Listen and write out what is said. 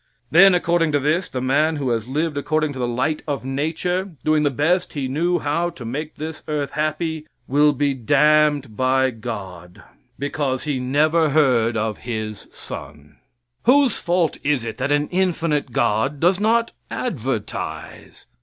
Then according to this, the man who has lived according to the light of nature, doing the best he knew how to make this earth happy, will be damned by God because he never heard of His son. Whose fault is it that an infinite God does not advertise?